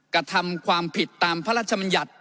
กระทำความผิดตามพระราชมนตร์